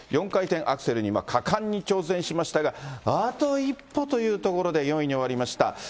４回転アクセルに果敢に挑戦しましたが、あと一歩というところで４位に終わりました。